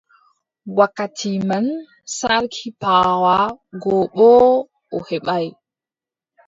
Wakkati man, sarki paawa go boo o heɓaay.